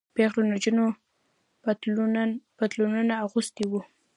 پيغلو نجونو پتلونونه اغوستي وو.